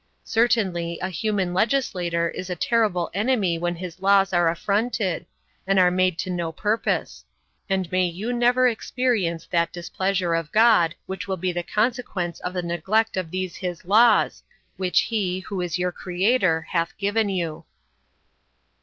Certainly a human legislator is a terrible enemy when his laws are affronted, and are made to no purpose. And may you never experience that displeasure of God which will be the consequence of the neglect of these his laws, which he, who is your Creator, hath given you."